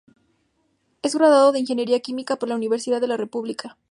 Es graduado en Ingeniería Química por la Universidad de la República.